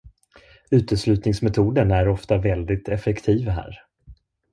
Uteslutningsmetoden är ofta väldigt effektiv här.